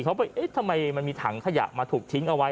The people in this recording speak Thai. เขาไปเอ๊ะทำไมมันมีถังขยะมาถูกทิ้งเอาไว้